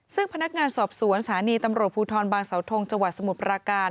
ซึ่งพนักงานสอบสวนสถานีตำรวจภูทรบางเสาทงจังหวัดสมุทรปราการ